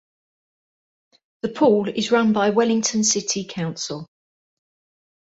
The pool is run by Wellington City Council.